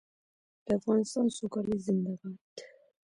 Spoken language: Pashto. د افغانستان سوکالي زنده باد.